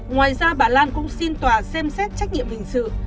ngoài ra bà lan cũng xin tòa xem xét trách nhiệm hình sự